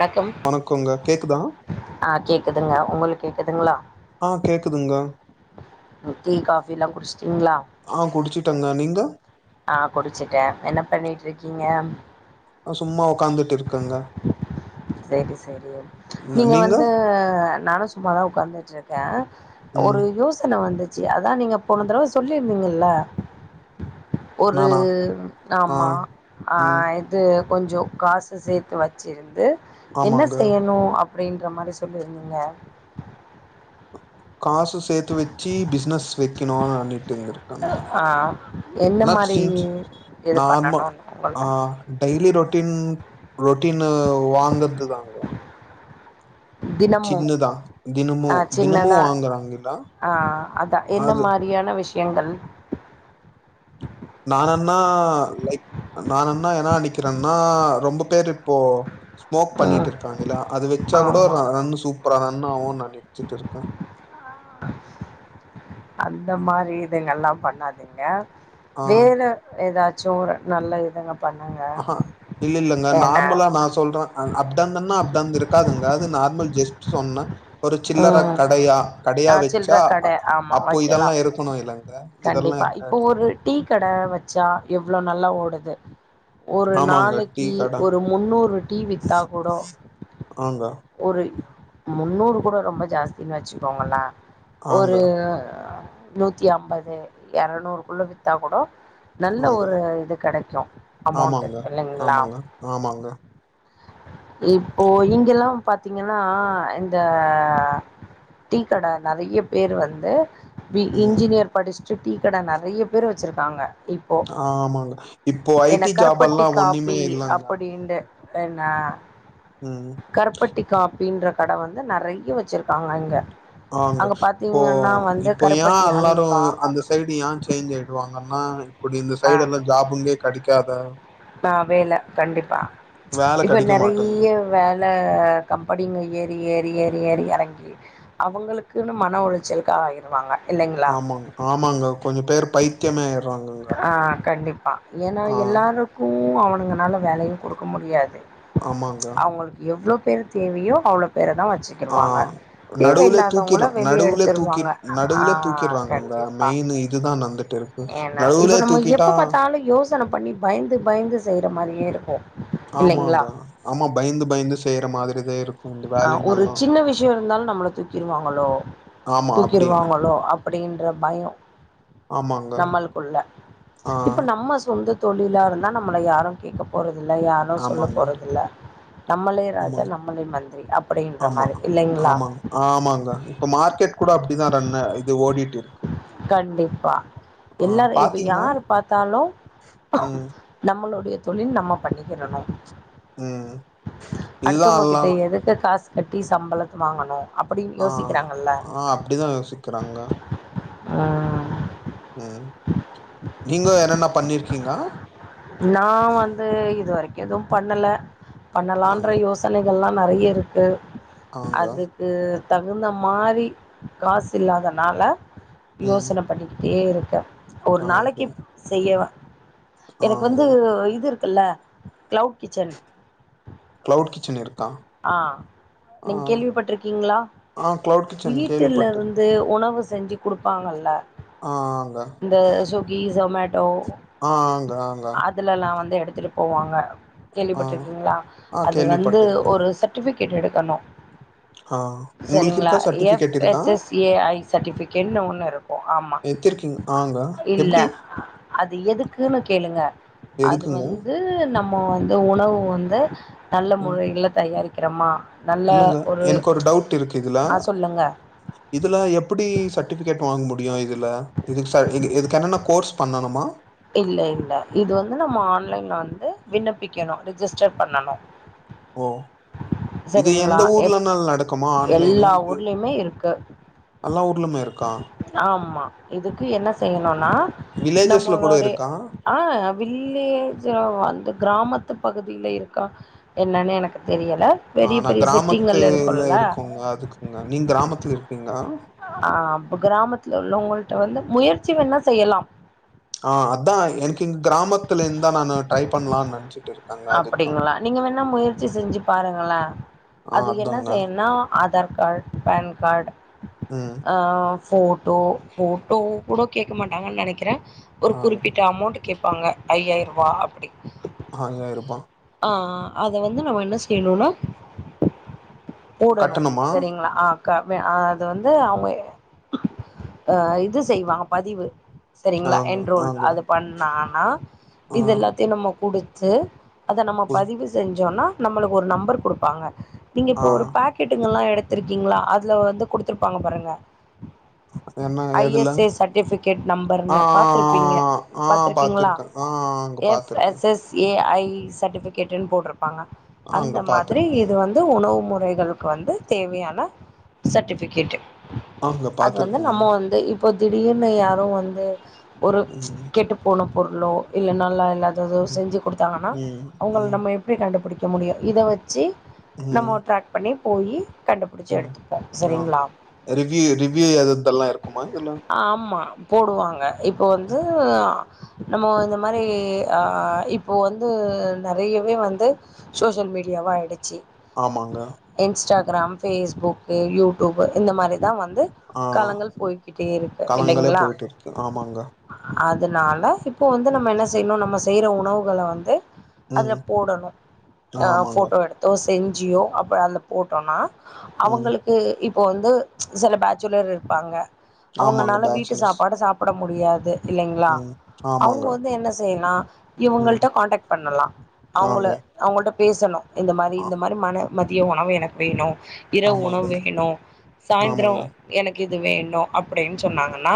வணக்கம் வணக்கோங்க கேக்குதா ஆஹ கேக்குதுங்க உங்களுக்கு கேக்குதுங்களா ஆ கேக்குதுங்க ஹ டீ காபியில்லாம் குடிச்ஸ்ட்டீங்களா ஆ குடிச்சிட்டங்க நீங்க ஆஹ குடிச்சுட்டேன் என்ன பண்ணிட்டயிரு நீங்க ஆ, சும்மா உக்காந்துட்டு இருக்கங்க செரி செரி நீங்க வந்து நானுசும்மாத உக்ந் டிக்கா ஒர்ரு ம் யோஸ் ன வந்துச்சு அதா நீங்க போன தடவ சொல்லிருந்திங்கல்ல ஒரு நானா ஆ ஆம்மா ம் ஆஹஇது கொஞ்சம் காசு சேர்த்து வச்சிருந்து என்ன ஆமாங்க செய்யணும் அப் அப்டின்ற மாரி சொல்லியிருந்திங்க காசு சேர்த்து வச்சு பிசுனஸ் வைக்கணும் நான்னே இருக்கம் ஆ என்ன ஆனா மாரி செஞ்சி இது நார்மல் பண்ணணுனு உங்களுக்கு டெய்லி ரொட்டின் ரொட்டீனு வாங்கறதுதாங்க தினமும் சின்னதா தினமு அஹ தினமு சின்னதா வாங்கறாங்கல்ல ஆஹ அதான் என்ன அது மாரியான விஷயம் எங்கள் நானண்ணா லைக் நானண்ணா என்னா நினைக்கிறேன்னா ரொம்ப பேர் இப்போ ஸ்மோக் ம் பண்ணிட்டு இருக்காங்களா அது வச்சா கூட ஆமா ரன் சூப்பரா ரன்னு ஆவும் ந வச்சுட்டு இருக்கேன் அந்த மாரி இதுங்கல்லாம் பண்ணாதீங்க ஆ வேற ஏதாச் சோற நல்ல இதுங்க பண்ணுங்க அஹாஹ இல்ல இல்லங்க ஏன்ன நார்மலா நான் சொல்றேன் அஹ அப்டாந்தன்னா அப்டான்ந்து இருக்காதுங்க அது நார்மல் ஜெஸ்ட் சொன்னா ஒரு சில்லறை ம் கடையா கடையா ஆ சில்ற வச்சா கட ஆமா அப்போ வைக்கலா இதெல்லாம் இருக்கணும் இல்லங்க இதெல்லா கண்டிப்பா இப்போ இருக்காது ஒரு டீ கடை வச்சா எவ்ளோ நல்லா ஓடுது ஒரு ஆமாங்க டீ நாளைக்கி கட ஒரு முன்னூறு டீ வித்தா கூட ஆங்க ஒரு முன்னூறு கூட ரொம்ப ஜாஸ்தின்னு வச்சுக்கோங்களேன் ஆங்க ஒரு நூத்தி அம்பது அது எரநூறுக்குள்ள வித்தா கூட நல்ல ஆங்க ஒரு இது கிடைக்கும் ஆங்க அமௌண்ட் ஆமாங்க இல்லைங்களா ஆமாங்க ஆமாங்க இப்போ இங்கெல்லாம் பாத்தீங்கன்னா இந்த டீக்கடை நெறைய பேர் வந்து வி ம் இன்ஜினியர் பஸ்ட் டீ கடை நெறைய பேர் வச்சிருக்காங்க இப்போ ஆமாங்க இப்போ என்ன ஐடி ஜாப்பெல்லாம் ஒண்ணுமே இல்லங்க என்னா ம் கருப்பட்டி காப் அப்டின்ற கடை வந்து நெறைய வச்சிருக்காங்க அங்க ஆங்க இப்போ இப்போ ஏன் எல்லாரும் அலோ இப்டி இந்த சைடு அஹ எல்லா ஜாபுங்கே கெடைக்காத வேலை கண்டிப்பா வேல இப்ப கெடைக்க மாட்டேன்து நெறைய வேலை கம்பெனிங்க ஏறி ஏறி ஏறி ஏறி அவங்களுக்குன்னு மன உளைச்சலுக்கு ஆகிருவாங்க இல்லங்களா ஆ ஆமாங்க கொஞ்சம் பேரு பைத்தியமே ஆயிடுறாங்க ஆ கண்டிப்பாக ஆஹ் அவுங்களால வேலையும் கொடுக்க முடியாது ஆமாங்க அவங்களுக்கு எவ்லே எவ்வளவு பேர் தேவயோ அவ்ளோ பேர்தான் ஆஹ் நடுவுல தூக்கிறா வெளியே நடுவுல தூக்கி எடுத்துருவாங்க ஆ நடுவுல தூக்கிறாங்க கண்டிப்பாக மெயின் இதுதான் நடந்துட்டுஇ ருக்கு நடுவுல தூக்கிட்டா யோசனைப்பண்ணி பயந்து பயந்து செய்ற மாறியே இருக்கும் ஆமாங்க ஆமா பயந்து பயந்து செய்யற மாதிரி [inaudible] அஹ் ஒரு சின்ன விஷயம் இருந்தாலும் நம்மள தூக்கிடுவாங்களோ ஆமா அப்டி தூக்கிடுவாங்களோ அப்டி என்ற பயம் ஆமாங்க. நம்மளுக்குள்ள ஆ இப்ப நம்ம சொந்த தொழிலா இருந்தா நம்மள யாரும் கேட்க போறது இல்லை இல்ல யாரும் சொல்லப் ஆமாங்க. போறதில்ல நம்மளே ராஜா ஆமாங்க. நம்மளே மந்தி ஆமா ஆமா ஆ ஆமாங்க இப்ப மார்க்கெட் கூட அப்படிதான் ரன் ஆகுது கண்டிப்பா ஆ எல்லாரும் இப்ப பாத்தீங்கன்னா யார் பார்த்தாலும் ம், நம்மளுடைய தொழில் நம்ம பண்ணிக்கிடணும் உம் இதுதான் கிட்ட யெல்லாம் எதுக்கு காசு கட்டி சம்பளத்த வாங்கனும் ஆஹ் ஆஹ் அப்படிதான் யோசிக்கிறாங்க அஹ் உம் நீங்க என்னென்ன பண்ணிருக்கீங்க நான் வந்து இதுவரைக்கும் எதுவும் பண்ணல பண்ணலாம் என்ற ஆங்க, யோசனைகளெல்லாம் நெறைய இருக்கு ஆங்க. அதுக்கு தகுந்த மாரி காசு இல்லாதனால ம். யோசனைப்பண்ணிக்கிட்டே இரு [unintelligible] ஒரு ஆங்க, நாளைக்கு செய்யவா எனக்கு ஆங்க. வந்து இது இருக் கில்ல கிளவுட் கிச்சன் கிளவுட் கிச்சன் இருக் ஆஹ் நீ கேள்விப்பட்டிருக்கீங்களா ஆ கிளவுட் கிச்சன் வீட்ல கேள்விப்பட்டிருக்கேன். இருந்து உணவு செஞ்சு கொடுப்பாங்கள்ல்ல ஆ, ஆங்க. இந்த ஸ்விக்கி ஜூமட்டோ ஒ ஆ, ஆங்க, ஆங்க. அதுலல்லாம் வந்து எடு எடுத்துட்டு போவாங்க ஆ, கேள்விப்பட்டுருக்கீங்களா ஆ அது வந்து கேள்விப்பட்டிருக்கேன். சர்டிபிகேட் எடுக்கணும் ஆ உங்களுக்கு சேரிங்களா இருக்கா எப் சர்டிஃபிகேட் இருக்கா? எஸ் எஸ் ஏஐ சர்டிபிகேட் ஒன்னு இருக்கும் ஆமா எத்திருக்கீங் ஆங்க. இல்ல எப்டி அது எதுக்குன்னு கேளுங்க அது எதுக்குங்க? வந்து நம் நம் வந்து உணவு வந்து நல்ல ம். முறைகள தயாரிக்கிறமா இல்லங்க எனக்கு ஒரு டவுட் இருக்கு இதுல ஆ சொல்லுங்க இதுல எப்டி சர்டிபிகேட் வாங்க மு முடியும் இதுல இது இதுக்கு என்னன்ன கோர்ஸ் பண்ணனுமா இல்ல இல்ல இது வந்து நம்ம ஆன்லைன்ல வந்து விண்ணப்பிக்கணும் ரிஜிஸ்டர் பண்ணணும் உஹம் இது எந்த எப் ஊர்லன்னால நடக்குமா ஆன்லைனு எல்லா இது ஊர்லயுமே இருக்கு எல்லா ஊர்லுமே இருக்கா ஆமா இதுக்கு என்ன செய்யணும் னா வில்லேஜஸ்ல கூட நம்மளுடைய இருக்கா? ஆஹ வில்லேஜ் வந்து கிராமத் பகுதியில இருக்கான் என்னன்னு எனக்கு தெரியல ஆஹ் பெரிய நான் பெரிய செட்டிங்கள்ல கிராமத்துல இருக்கும்ல இருக்கோங்க அதுக்குங்க நீங்க கிராமத்துல இரு இன்னா ஆஹ் அப்ப கிராமத்துல உள்ளவங்களிட்ட வந்து முயற்சி வேன செய்யலாம் ஆஹ் அதான் எனக்கு இங்க கிராமத்துல இருந்துந்தான் நான் ட்ரை பண்ணலாம்னு நினைச்சு அப்படிங்களா நீங்க வேன முயற்சி செஞ்சு பாருங்களா ஆ அதுக்கு என்ன அதாங்க. செய்யும்னா ஆதார் கார்ட பேன் கார்ட ம். ஆஹ் ஃபோட்டோ ஃபோட்டோ கூட கேட்க மாட்டாங்கன்னு நினைக்கிறேன் ஒரு ஆங்க குறிப்பிட்ட அமௌண்ட் கேட்பாங்க ஐயாயிரம் ரூபா அப்படி அஹா இருப்பான் ஆஹ அத வந்து நம்ம என்ன செய்யணும்னா போடணும் கட்டணமா சரிங்களா ஆஹ அது வந்து அவ அஹ் இது செய்வா பதிவு சரிங்களா ஆங்க என்றோல் ஆங்க அது பண்ணா ஆ ஆ இது எல்லாத்யு நம்ம குடு ச அத நம்ம குடுத் பதிவு செஞ்சோனா நம்ளுக்கு ஒரு நம்பர் குடுப்பாங்க நீங்க இப்ப ஆ ஒரு பேக்கெட்டுங்கலா எடு த்துருக்கீங்களா அதுல வந்து குடுத்துருப்பாங்க பாருங்க என்ன ஐ எதுல எஸ் ஏ சர்ட்டிபிகேட் ஆ நம்பர்னு பாத்ருப்பீங்க ஆ பாத்ருக்கீங்களா பாத்துருக்கேன் ஆ அங்க எஸ் பாத்துருக்கேன் S S A I certificate போட்ரு பாங்க அந்த அங்க மாதிரி பாத்துருக்கேன் இது வந்து உணவு மு வைகளுக்கு வந்து தேவயான சர்டிஃபிகேட் அங்க அது வந்து பாத்துருக்கேங்க நம்ம வந்து இ இப்போ திடீர்னு யாரோ வந்து ஒரு ம் கெட்டு போணும் பொருளோ இல்ல நல்லா இல்லா தோதோ ம் செஞ்சு குடுத்தாங்கன்னா அவங்ள ம் நம்ம எப்டி கண்டுபிடி முடியு இத வச்சு நம்ம ட்ராக் பண்ணி போயி கண்டுபிடிச்சு உம் எடுத்துப்போ நாஹ் சரிங்களா ரிவ்யூ ரிவ்யூ அத் இத்தல்லா இருக்குமா இல்ல ஆமா போடுவாங்க இப்போ வந்து. நம்ம இந்த மாரி அஹ இப்போ வந்து. நறயவே வந்து சோசியல் மீடியாவா ஆயிடு. ச்சி ஆமாங்க இன்ஸ்டா. க்ராம் ஃபேஸ்புக்கு யூடுப்பு இந்த மாரி. தா வந்து ஆ காலங்கள் போய்கிட்டே இருக்கு காலங்களே இல்லைங்களா. போயிட்டு இருக்கு ஆமாங்க அதனால இப். ப்போ வந்து நம்ம ம் செய்யணு நம்ம சாப். செய்யிற உணவுகள வந்து. அதுல ம் போடணு. ஆஹ ஆமாங்க போட்டோ எடுத்தோஸ். செஞ்சியோ அப்புறோ அதுல போட்டோம்னா. ம் அவங்களுக்கு. இப்போ வந்து ம்ச் சில பேச்சுலர் இருப்பாங்க. ஆமாங்க அவங்கனால வீட்டு பேச்சுலர்ஸ் சாப்பாடு சாப்புட. முடியாது. இல்லைங்களா ம் அவங்க ஆமாங்க வந்து என்ன செய்யல்லா ம் இவங்கள்ட்ட கான்டெக்ட் பண்ணலா. அவங்கள ஆங்க அவங்கள்ட். பேசணு. இந்த மாரி ஆ இந்த மாரி மன. மதிய உணவு எனக்கு வேணு. இரவு ஆமாங்க உணவு வேணு. சாய்ந்ரோ ஆமாங்க எனக். இது வேணு அப்படின்னு சொன்னாங்க. ன்னா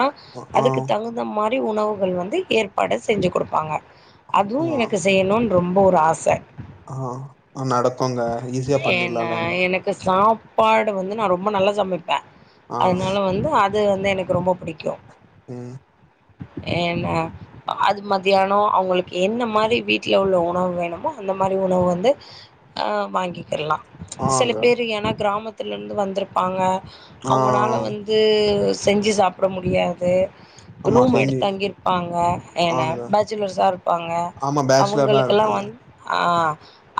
ஆ அதுக்கு தகுந்த மாரி. உணவுகள் வந்து ஏற்பாடு செஞ்சு கொடுப்பாங்க. அதுவும் எனக்கு செய்யணும். ரொம்ப ஒரு ஆச. ஆஹ நடக்குங்க ஈஸியா ஏன்னா பண்ணிலாம்லங்க. எனக்கு சாப்பாடு வந்து நா ரொம்ப நல்லா சமைப். ப ஆ அதனால வந்து அ. அதுவந்து எனக்கு ரொம்ப புடிக்கு. உஹம். என்ன அது மத்தியானோ அவங்களுக்கு என்ன மாரி வீட். ஹெல்த்தியா உள்ள உணவு வேணுமோ அந்த மாரி உணவு வந்து வாங்கிக்கிடலா. சில ஆங்க பேரு ஏன்னா கிராமத். பக்கத்துலருந்து வந்திருப்பாங்க ஆ அவங்கனால வந்து செஞ்சு சாப்பிட முடியாது ஆமா ரூம் செஞ்சு எடுத்து தங்கிருப்பாங்க இல்லன்னா ஆங்க பேஜ்லர்ஸா இருப்பாங்க ஆமா பேச்சுலரா அவங்களுக்கெல்லாம் இருப்பாங்க வந்து ஆ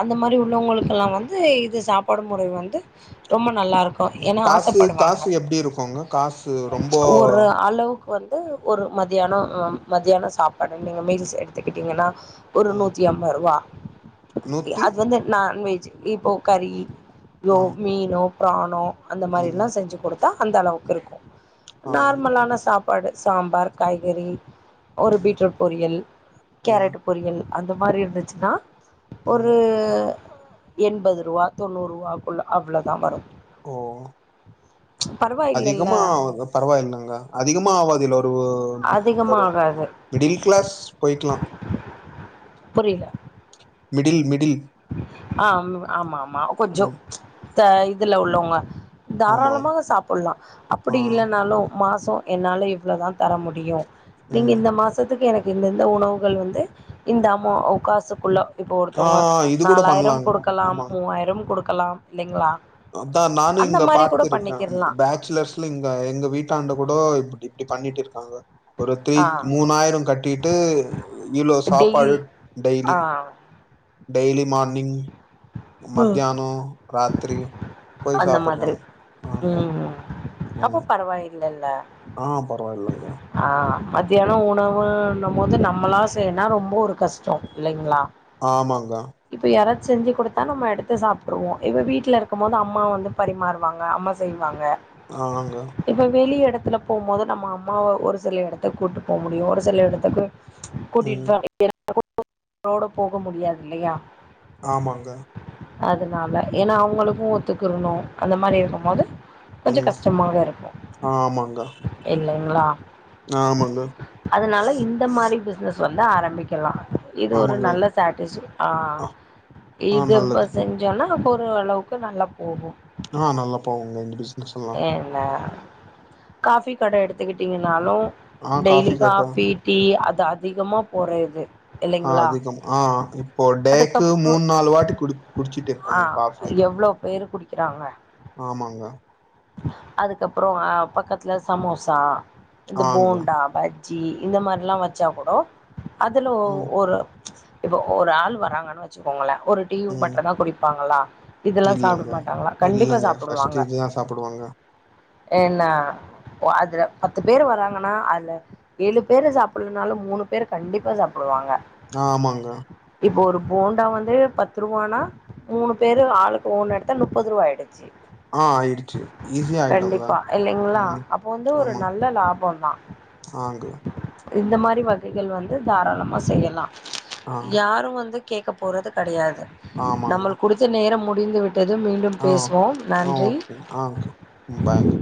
அந்த மாதிரி உள்ளவங்களுக்கெல்லாம் வந்து இது சாப்பாடு முறை வந்து ரொம்ப நல்லாருக்கு ஏன்னா காசு ஆசப்படுவாங்க காசு எப்படி இருக்கும்ங்க காசு ரொம்ப ஒரு அளவுக்கு வந்து ஒரு மதியானம்ஹ மதியானம் சாப்பாடு நீங்க மீல்ஸ் எடுத்துக்கிட்டீங்கன்னா ஒரு ம் நூற்றி ஐம்பது ரூவா நூத்தி அது வந்து நான் வெஜ் இப்போ கரி யோ ஆ மீனோ பிராணோ அந்த மாதிரி ம் எல்லாம் செஞ்சு கொடுத்தா அந்த அளவுக்கு இருக்கும் ஆ நார்மலான சா படு சாம்பார் காய்கறி ஒரு பீட்ரூட் பொரியல் ம் கேரட் பொரியல் அந்த மாதிரி இருந்துச்சுன்னா ம் ஒரு எண்பது ரூபா தொண்ணூறு ரூபாக்குள்ள அவ்வளோதான் வரும் ஓ பரவாயில்லல்ல அதிகமா பரவாயில்ங்க அதிகமா ஆவாதுல் ஒரு அதிகமா ஒரு ஆகாது மிடில் கிளாஸ் போய்க்கலாம் புரியில மிடில் மிடில் ஹ்ம் ஆ ஆமா ஆமா ஆஹா சாப்ஜ்ஜட் ம் இத இதுல உள்ளவங்க ஆமா தாராளமாக சாப்பிடலாம் அப்படி ஆ இல்லைன்னாலும் மாச ஸோ என்னால் இவ்வளோ தான் தர முடியும் நீங்க ம் இந்த மாசத்துக்கு எனக்கு இந்தந்த உணவுகள் வந்து இந்த அமோ காசுக்குள்ள இப்போ ஆ ஒருதோங்க இது கூட நாலாயிரம் பண்லாங்க கொடுக்கலாம் மூவாயிரம் கொடுக்க பக்கலாம் இல்லைங்களா அதான் நானும் அந்த இங்க மாரி பா்த்த கூட இருக்கேன் பண்ணிக்கிர்லா பேச்சுலர்ஸ்ல இங்க எங்க வீட்டாண்ட கூட இப்படி அப்படி பண்ணிட்டு இருக்காங்க ஒரு த்ரீ ஆ மூணாயிரம் கட்டிட்டு இலோ சாப்பாடு டெய்லி டெய்லி ஆ டெய்லி மார்னிங் ம் மத்தியானம் ராத்திரி போய் அந்த சாப்படுறாங்க ஆங்க அப்போ பரவாய இல்ல ஆஹ் பரவாயில்லைங்க மத்தியானம் உணவுன்னும் போது நம்மளா செய்யனா ரொம்ப ஒரு கஷ்டம் இல்லைங்களா ஆமாங்கா இப்ப யாராச்சு செஞ்சு குடு தா நம்ம எடுத்து சாப்ட்ருவோ இப்ப வீட்ல இருக்கு போது அம்மா வந்து பரிமாறுவாங்க அம்மா செய்வாங்க ஆங்க இப்ப வெளியட த்துல போம்போது நம்ம அம்மாவ ஒரு சில எடத்து கூப்புட்டு போக முடியு ஒரு சில எடத்துக்கு ம் கூட்டிட்டு தா போக முடியாது இல்லயா ஆமாங்க அதுனால ஏனா அவுங்களுக்கு ஒத்துக்குருணு அந்த மாரி இருக்கு போது கொஞ்ச ம் கஷ்டமாக இருக்கு ஆமாங்க இல்லைங்ளா ஆமாங்க அதுனால இந்த மாரி பிசினஸ் வந்து ஆரபிக்கலா இது ஒரு ஆமாங்க நல்ல சட்டிஸ் ஆஹ் ஆ ஆ இது இப்ப நல்லது செஞ்சோன் ஒரு அளவுக்கு நல்லா போகு ஆஹ் நல்லா போகுங்க இந்டிஸ்னஸ்ல்லா ஏன் காஃபி கட எடுத்துக்கிட்டிங்கனாலு டெய்லி காஃபி டீ அதிகமா போறது ஆஹ் அதிகம் ஆஹ் இப்போ டேக்கு அதுக்கப்றோ மூணு நாலு பாட்டி குடி ஆ குடிச்சிட்டேருக்காங்க காஃபி எவ்ளோ பேரு ஆமாங்க அதுக்கப்பற ஹ பக்கத்ல சமோசா இந்த ஆங்க போண்டா ப ஜி இந்த மார்லா வச்சா கொட அதுல ம் ஒரு இப்ப ஒரு ஆள் வராங்கனு வச்சுக்கோங்களே ஒரு டீ ம் மட்ருதா குடிப்பாங்களா இதெல்லா சாப்ட இல்லங்க மாட்டாங்களா கண்டிப்பா இல்லங்க சாப்டுவாங்க ஃபஸ்ட்டு இதுதா சாப்புடுவாங்க என்ன அதுல பத்து பேரு வராங்கன்னா அதுல ஏழு பேரு சாப்டலனாலு மூணு பேரு கண்டிப்பா சாப்புடுவாங்க ஆமாங்க இப்போ ஒரு போண்டா வந்து பத் த்ருவானா மூணு பேரு ஆளுக்கு ஒன்னு எடுத்தா நுப்பதுரூவா ஆயிடு ச்சு ஆ ஆயிடுச்சு ஈஸியா ஆயிடுங்க கண்டிப்பா இல்லைங்களா ம் அப்போ வந்து ஒரு ஆமாங் நல்ல லாபொ தா ஆங்க இந்த மாரி வகைகள் வந்து தாராளமா செய்யலா ஆ யாரு வந்து கேக்க போறது கெடையாது ஆமாங்க நம்மளுக் குடிச்ச நேரம் மு டிந்து விட் ஆ ஓகே ஆ ஓகே ஆ பாய்